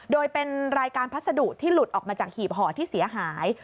โดยเป็นรายการพัสดุที่หลุดออกมาจากหีบห่อที่เสียหาย